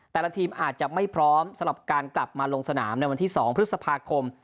แต่ละทีมอาจจะไม่พร้อมสำหรับการกลับมาลงสนามในวันที่๒พฤษภาคม